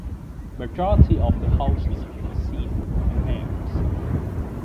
Majority of the horses in Sindh are mares.